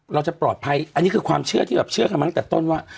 เราจะปลอดภัยอันนี้คือความเชื่อที่แบบเชื่อกันมาตั้งแต่ต้นว่า